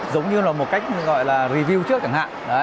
giống như là một cách gọi là review trước chẳng hạn